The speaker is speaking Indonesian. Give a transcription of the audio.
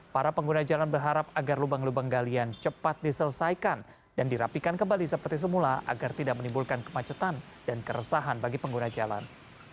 para pengguna jalan berharap agar lubang lubang galian cepat diselesaikan dan dirapikan kembali seperti semula agar tidak menimbulkan kemacetan dan keresahan bagi pengguna jalan